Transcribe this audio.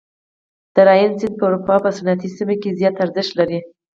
د راین سیند په اروپا په صنعتي سیمو کې زیات ارزښت لري.